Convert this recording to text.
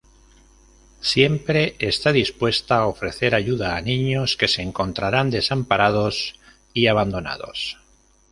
Siempre está dispuesta a ofrecer ayuda a niños que se encontraran desamparados y abandonados.